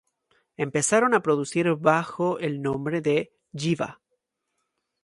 Empezaron a producir bajo el nombre de Jiva.